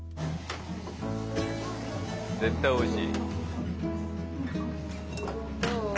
絶対おいしい。